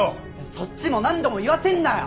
そっちも何度も言わせんなよ！